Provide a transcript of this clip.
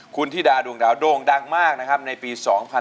คุณธิดาดวงดาวโด่งดังมากนะครับในปี๒๕๕๙